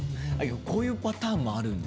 こういうパターンもあるんですね。